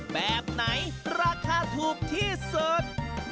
แบบไหนราคาถูกที่สุด